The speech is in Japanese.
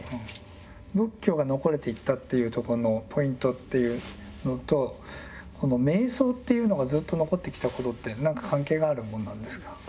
仏教が残れていったっていうとこのポイントっていうのとこの瞑想っていうのがずっと残ってきたことって何か関係があるもんなんですか？